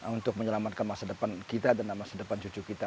untuk menyelamatkan masa depan kita dan masa depan cucu kita